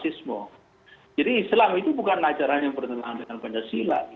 islam itu bukan ajaran yang bertentangan dengan pancasila